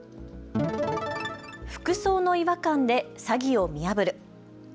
服装の違和感で詐欺を見破る。